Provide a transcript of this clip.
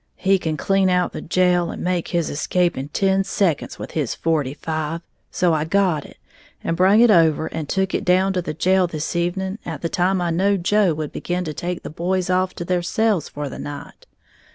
He can clean out the jail and make his escape in ten seconds with his forty five.' So I got it, and brung it over, and tuck it down to the jail this evening at the time I knowed Joe would begin to take the boys off to their cells for the night.